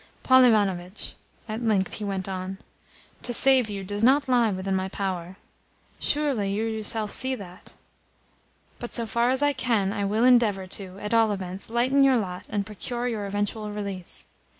"Paul Ivanovitch," at length he went on, "to save you does not lie within my power. Surely you yourself see that? But, so far as I can, I will endeavour to, at all events, lighten your lot and procure your eventual release.